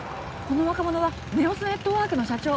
この若者はネオスネットワークの社長。